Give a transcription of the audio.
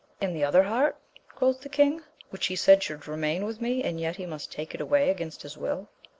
And the other heart 1 quoth the king, which he said should remain with me, and yet he must take it away against his will.